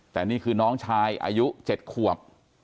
แต่นี่คือน้องชายอายุ๗ขวบ